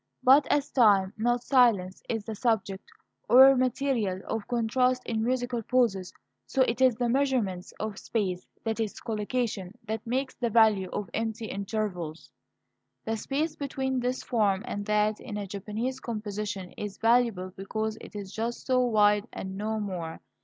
But as time, not silence, is the subject, or material, of contrast in musical pauses, so it is the measurement of space that is, collocation that makes the value of empty intervals. The space between this form and that, in a Japanese composition, is valuable because it is just so wide and no more.